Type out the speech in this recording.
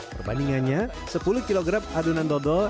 perbandingannya sepuluh kg adonan dodol